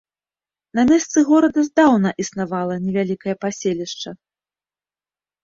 На месцы горада здаўна існавала невялікае паселішча.